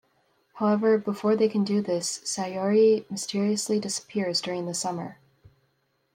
However, before they can do this, Sayuri mysteriously disappears during the summer.